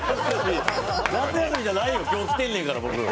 夏休みじゃないよ、今日来てんねんから、僕。